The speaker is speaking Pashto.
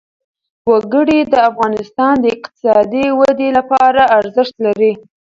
وګړي د افغانستان د اقتصادي ودې لپاره ارزښت لري.